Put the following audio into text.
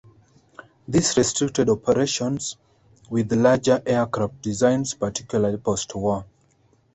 This restricted operations with larger aircraft designs, particularly post-war.